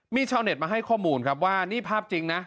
มีชาวเน็ตมาให้ข้อมูลครับว่านี่ภาพจริงนะ